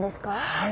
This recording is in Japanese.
はい。